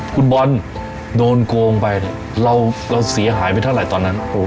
คุณบอลโดนโกงไปเนี่ยเราเสียหายไปเท่าไหร่ตอนนั้น